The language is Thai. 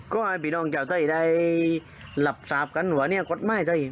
ก็ให้พี่น้องเจ้าเจ้าได้ลับซ้าบกันว่าเนื้อกฎไม้เตย